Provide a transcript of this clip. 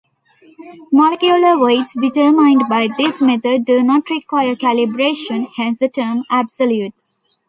Molecular weights determined by this method do not require calibration, hence the term "absolute".